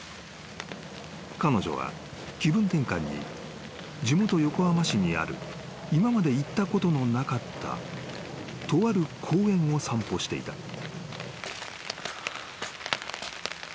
［彼女は気分転換に地元横浜市にある今まで行ったことのなかったとある公園を散歩していた］